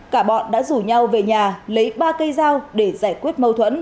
cả bọn đã rủ nhau về nhà lấy ba cây dao để giải quyết mâu thuẫn